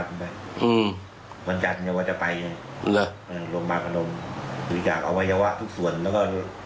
แล้วก็ไหนอันนู้นก็จะไปทำอันนู้นไปอันนี้ทำไม่ได้แล้วก็